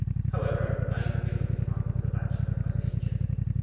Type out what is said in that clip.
However, Knight had been looked upon as a bachelor by nature.